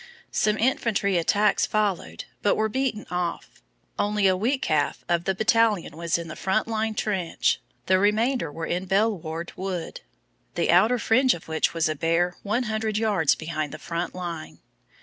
Some infantry attacks followed but were beaten off. Only a weak half of the battalion was in the front line trench. The remainder were in Belle waarde Wood, the outer fringe of which was a bare one hundred yards behind the front line.